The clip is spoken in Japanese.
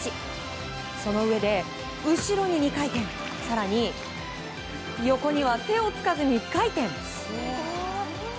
その上で後ろに２回転更に、横には手をつかずに１回転。